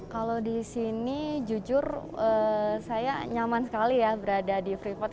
kalau di sini jujur saya nyaman sekali ya berada di freeport